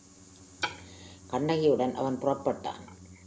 கண்ணகியுடன் அவன் புறப்பட்டான்.